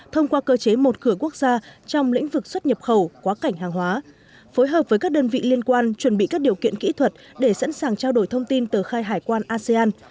thông qua cơ chế một cửa quốc gia trong lĩnh vực xuất nhập khẩu quá cảnh hàng hóa phối hợp với các đơn vị liên quan chuẩn bị các điều kiện kỹ thuật để sẵn sàng trao đổi thông tin tờ khai hải quan asean